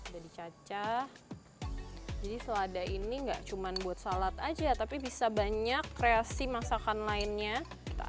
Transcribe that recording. jadi cacah jadi selada ini enggak cuman buat salad aja tapi bisa banyak kreasi masakan lainnya kita